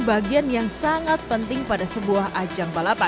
di sini takutnya nanti ada sesuatu yang tidak baik ya